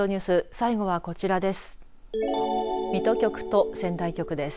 最後はこちらです。